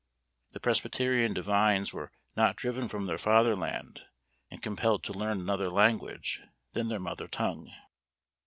The presbyterian divines were not driven from their fatherland, and compelled to learn another language than their mother tongue.